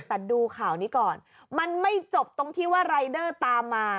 แต่ดูข่าวนี้ก่อนมันไม่จบตรงที่ว่ารายเดอร์ตามมา